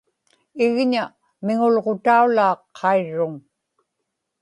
igña miŋulġutaulaaq qairruŋ